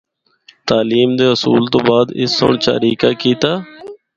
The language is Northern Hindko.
تعلیم دے حصول تو بعد اس سنڑ چاریکا کیتا۔